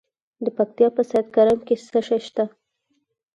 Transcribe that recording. د پکتیا په سید کرم کې څه شی شته؟